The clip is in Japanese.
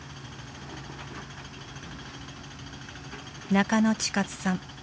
中野智勝さん。